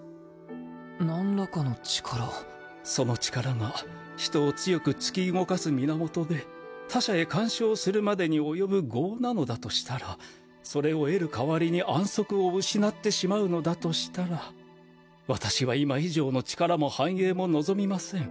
その力が人を強く突き動かす源で他者へ干渉するまでに及ぶ業なのだとしたらそれを得るかわりに安息を失ってしまうのだとしたら私は今以上の力も繁栄も望みません。